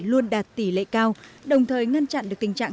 luôn đạt tỷ lệ cao đồng thời ngăn chặn được tình trạng